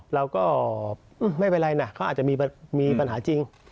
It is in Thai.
เราก็ไม่เป็นไรนะเขาอาจจะมีปัญหาจริง